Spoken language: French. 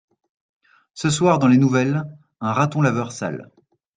Ce soir dans les nouvelles, un raton laveur sale.